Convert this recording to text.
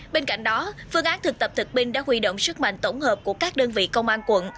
bên cạnh đó phương án thực tập thực binh đã huy động sức mạnh tổng hợp của các đơn vị công an quận